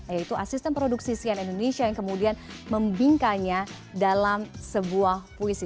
yaitu asisten produksi sian indonesia yang kemudian membingkanya dalam sebuah puisi